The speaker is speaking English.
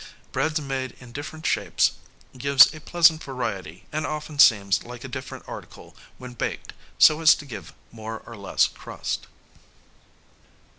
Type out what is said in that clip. Bread made in different shapes gives a pleasant variety and often seems like a different article when baked so as to give more or less crust.